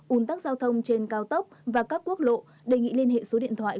un tắc giao thông trên cao tốc và các quốc lộ đề nghị liên hệ số điện thoại